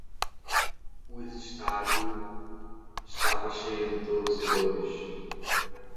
Os estádio estava cheio de torcedores